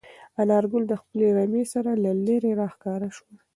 انارګل د خپلې رمې سره له لیرې راښکاره شو.